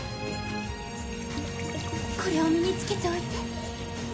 これを身につけておいて。